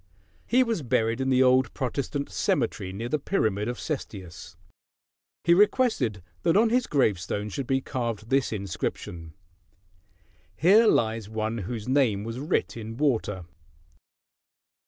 He was buried in the old Protestant cemetery near the pyramid of Cestius. He requested that on his gravestone should be carved this inscription, "Here lies one whose name was writ in water."